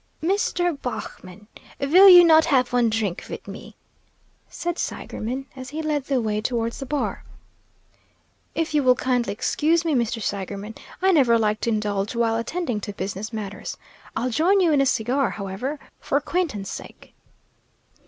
"Mr. Baughman, vill you not haf one drink mit me?" said Seigerman, as he led the way towards the bar. "If you will kindly excuse me, Mr. Seigerman, I never like to indulge while attending to business matters. I'll join you in a cigar, however, for acquaintance' sake."